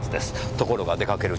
ところが出掛ける